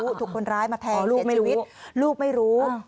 ถูกคนร้ายมาแทงลูกชีวิตลูกไม่รู้